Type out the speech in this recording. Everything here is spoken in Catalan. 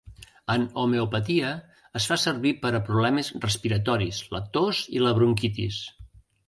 En homeopatia es fa servir per a problemes respiratoris, la tos i la bronquitis.